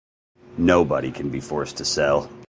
Nobody can be forced to sell.